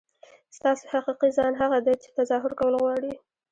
ستاسو حقیقي ځان هغه دی چې تظاهر کول غواړي.